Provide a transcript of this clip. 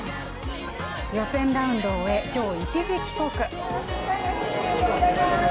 予選ラウンドを終え、今日、一時帰国。